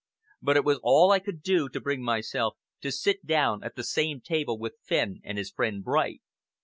But it was all I could do to bring myself to sit down at the same table with Fenn and his friend Bright.